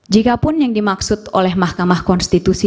jikapun yang dimaksud oleh mahkamah konstitusi